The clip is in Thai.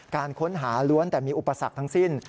การค้นหาล้วนแต่มีอุปสรรคทั้งสิ้น